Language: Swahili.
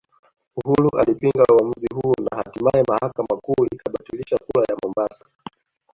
Uhuru alipinga uamuzi huo na hatimaye mahakama kuu ikabatilisha kura ya Mombasa